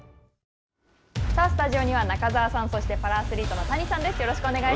スタジオには、中澤さん、そして、パラアスリートの谷さんです。